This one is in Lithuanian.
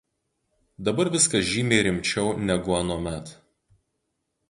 Dabar viskas žymiai rimčiau negu anuomet